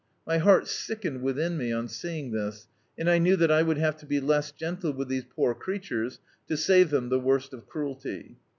My heart sickened within me, on seeing this, and I knew that I would have to be less gentle with these poor creatures to save them the worst of cruelty.